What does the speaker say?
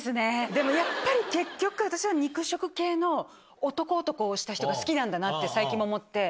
でもやっぱり結局、私は肉食系の男男した人が好きなんだなって最近も思って。